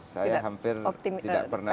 saya hampir tidak pernah